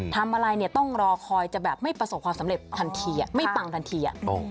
ทำอะไรเนี่ยต้องรอคอยจะแบบไม่ประสบความสำเร็จทันทีไม่ปังทันที